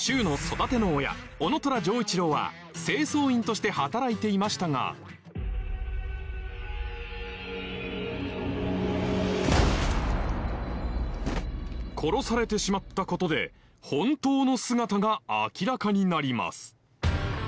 男虎丈一郎は清掃員として働いていましたが殺されてしまったことで「本当の姿」が明らかになります